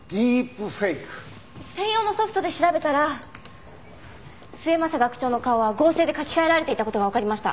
専用のソフトで調べたら末政学長の顔は合成で書き換えられていた事がわかりました。